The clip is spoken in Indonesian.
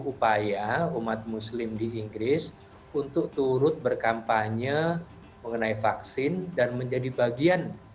upaya umat muslim di inggris untuk turut berkampanye mengenai vaksin dan menjadi bagian